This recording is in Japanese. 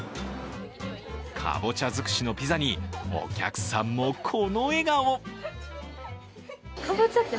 かぼちゃ尽くしのピザに、お客さんもこの笑顔。